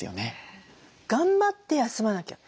頑張って休まなきゃ。